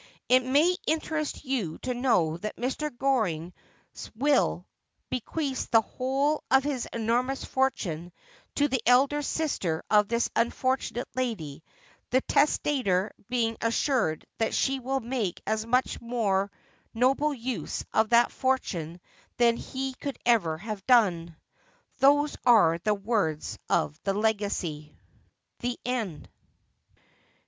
' It may interest you to know that Mr. Goring's will be queaths the whole of his enormous fortune to the elder sister of this unfortunate lady, the testator being assured that she will make a much more noble use of that fortune than he could ever have done. ' Those are the words of the legacy.' THE END.